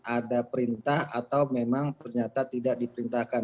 ada perintah atau memang ternyata tidak diperintahkan